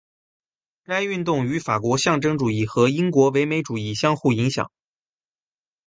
该运动与法国象征主义和英国唯美主义相互影响。